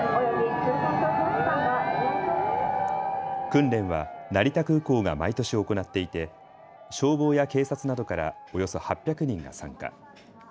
訓練は成田空港が毎年行っていて消防や警察などからおよそ８００人が参加。